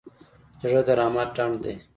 زړه د رحمت ډنډ دی.